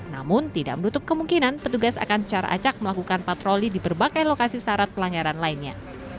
namun tidak menutup kemungkinan petugas akan secara acak melakukan patroli di berbagai lokasi syarat pelanggaran lainnya